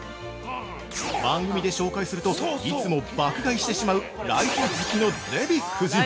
番組で紹介するといつも爆買いしてしまうライト好きのデヴィ夫人。